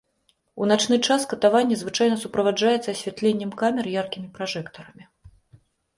У начны час катаванне звычайна суправаджаецца асвятленнем камер яркімі пражэктарамі.